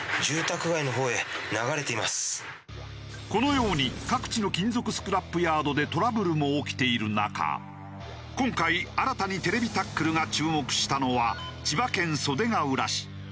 このように各地の金属スクラップヤードでトラブルも起きている中今回新たに『ＴＶタックル』が注目したのは千葉県袖ケ浦市。